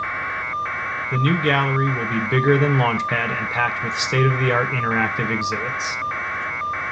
The new gallery will be bigger than Launchpad and packed with state-of-the-art interactive exhibits.